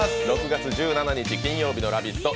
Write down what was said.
６月１７日の「ラヴィット！」